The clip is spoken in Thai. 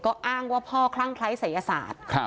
ก็อ้างว่าพ่อคลั่งคล้ายศัยศาสตร์